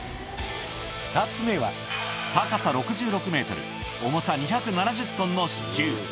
２つ目は、高さ６６メートル、重さ２７０トンの支柱。